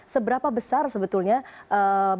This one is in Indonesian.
seberapa besar sebetulnya barang barang ini